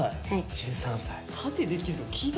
１３歳で。